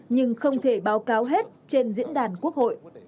nhưng không thể báo cáo hết trên diễn đàn quốc hội